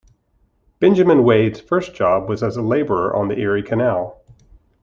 Benjamin Wade's first job was as a laborer on the Erie Canal.